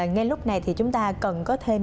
ngay lúc này thì chúng ta cần có thêm